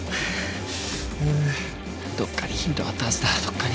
うぅどっかにヒントがあったはずだどっかに。